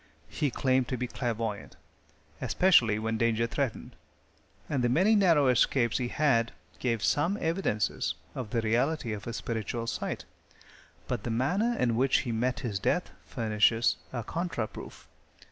He claimed to be clairavoyant, especially when danger threatened, and the many narrow escapes he had gave some evidences of the reality of his spiritual sight, but the manner in which he met his death furnishes a contra proof.